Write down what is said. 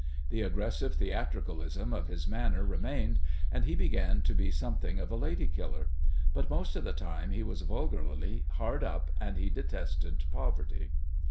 The aggressive theatricalism of his manner remained, and he began to be something of a lady killer. But most of the time he was vulgarly hard up, and he detested poverty.